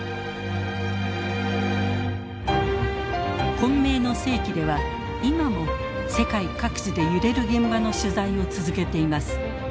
「混迷の世紀」では今も世界各地で揺れる現場の取材を続けています。